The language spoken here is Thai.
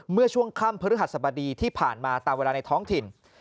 เมื่อช่วงค่ำพฤหัสบดีที่ผ่านมาตามเวลาในท้องถิ่น